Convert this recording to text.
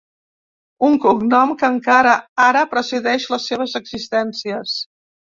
Un cognom que encara ara presideix les seves existències.